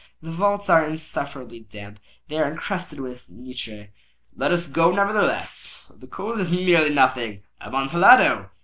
The vaults are insufferably damp. They are encrusted with nitre." "Let us go, nevertheless. The cold is merely nothing. Amontillado!